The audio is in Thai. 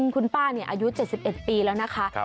คุณป้าอายุ๗๑ปีแล้วนะคะ